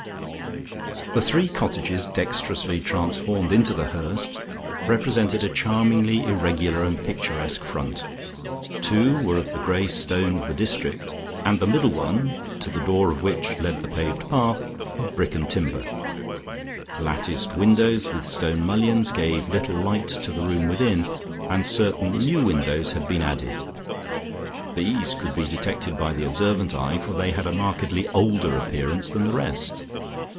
The three cottages dexterously transformed into The Hurst, presented a charmingly irregular and picturesque front. Two were of the grey stone of the district and the middle one, to the door of which led the paved path, of brick and timber; latticed windows with stone mullions gave little light to the room within, and certain new windows had been added; these could be detected by the observant eye for they had a markedly older appearance than the rest.